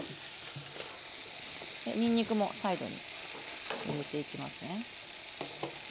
にんにくもサイドに入れていきますね。